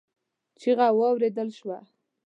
چيغه واورېدل شوه.